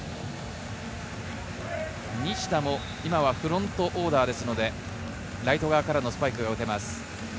西田も今はフロントオーダーなので、ライト側からのスパイクが打てます。